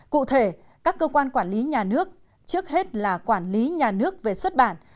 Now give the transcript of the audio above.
cụ thể các cơ quan quản lý nhà nước trước hết là quản lý nhà nước về xuất bản